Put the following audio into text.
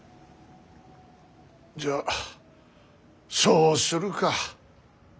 じゃあそうするか。